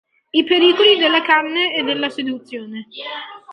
I pericoli della carne e della seduzione.